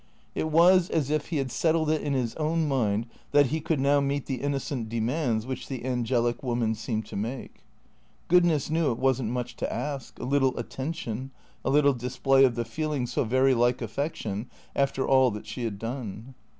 It was as if he had settled it in his own mind that he could now meet the innocent demands which the angelic woman seemed to make. Goodness knew it was n't much to ask, a little attention, a little display of the feeling so very like affection, after all that she had done.